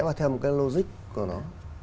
và theo một cái logic của nó